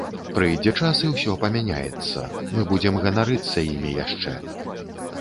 Прыйдзе час і ўсё памяняецца, мы будзем ганарыцца імі яшчэ.